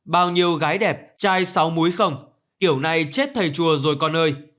bao nhiêu gái đẹp chai sáu múi không kiểu này chết thầy chùa rồi con ơi